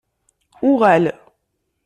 Uɣal.